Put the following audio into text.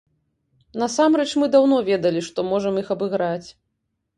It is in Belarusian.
Насамрэч мы даўно ведалі, што можам іх абыграць.